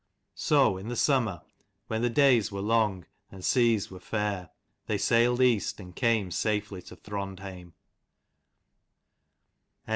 So in the summer, when the days were long and seas were fair, they sailed east, and came safely to Throndheim.